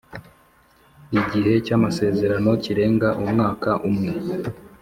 Igihe cy’amasezerano kirenga umwaka umwe